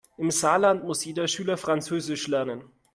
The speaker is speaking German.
Im Saarland muss jeder Schüler französisch lernen.